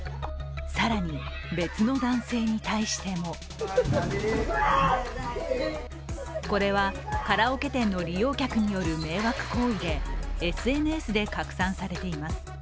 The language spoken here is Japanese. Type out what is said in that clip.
更に、別の男性に対してもこれはカラオケ店の利用客による迷惑行為でＳＮＳで拡散されています。